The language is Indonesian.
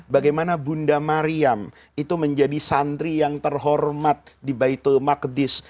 bagaimana bunda mariam itu menjadi santri yang terhormat di baitul maqdis